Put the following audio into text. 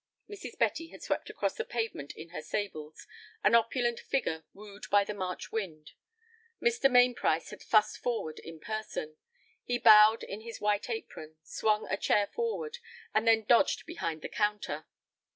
Mrs. Betty had swept across the pavement in her sables, an opulent figure wooed by the March wind. Mr. Mainprice had fussed forward in person. He bowed in his white apron, swung a chair forward, and then dodged behind the counter.